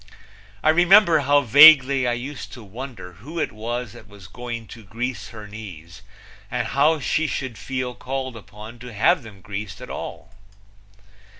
I remember how vaguely I used to wonder who it was that was going to grease her knees and why she should feel called upon to have them greased at all.